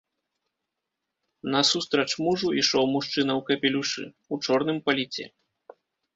Насустрач мужу ішоў мужчына ў капелюшы, у чорным паліце.